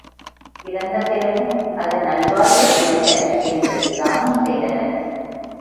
இறந்தபிறகும் அது நல் வாழ்வு பெறுக என்று தானம் செய்தனர்.